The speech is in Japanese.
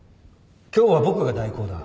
今日は僕が代行だ。